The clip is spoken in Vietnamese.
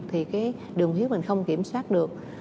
thì cái đường hiếu mình không kiểm soát được